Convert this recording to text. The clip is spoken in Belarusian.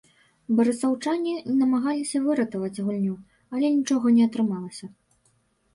Барысаўчане намагаліся выратаваць гульню, але нічога не атрымалася.